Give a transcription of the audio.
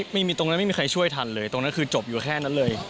ไม่มีตรงนั้นไม่มีใครช่วยทันเลยตรงนั้นคือจบอยู่แค่นั้นเลย